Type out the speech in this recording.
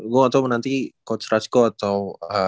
gue gak tau nanti coach rasko atau